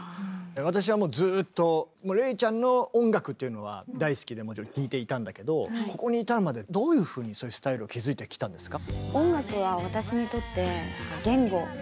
私はもうずっとＲｅｉちゃんの音楽っていうのは大好きでもちろん聴いていたんだけどここに至るまでどういうふうにスタイルを築いてきたんですか？